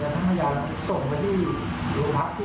แต่ที่ทำไปเนี่ยเขาเกิดจากอะไร